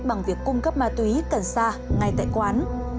bằng việc cung cấp ma túy cần xa ngay tại quán